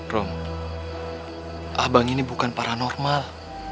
rom abang ini bukan paranormal